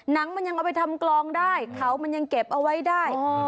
หนังมันยังเอาไปทำกลองได้เขามันยังเก็บเอาไว้ได้